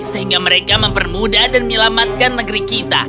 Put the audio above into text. sehingga mereka mempermudah dan menyelamatkan negeri kita